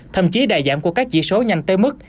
thậm chí đa giảm của các chỉ số nhanh tới mức